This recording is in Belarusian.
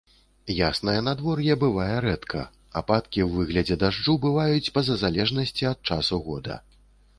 Яснае надвор'е бывае рэдка, ападкі ў выглядзе дажджу бываюць па-за залежнасці ад часу года.